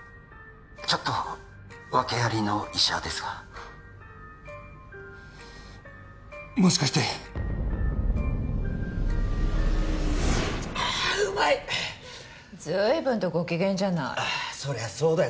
ちょっと訳ありの医者ですがもしかしてあーうまい随分とご機嫌じゃないそりゃそうだよ